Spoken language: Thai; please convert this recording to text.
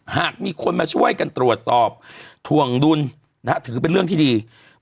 หากมีคนมาช่วยกันตรวจสอบถวงดุลถือเป็นเรื่องที่ดี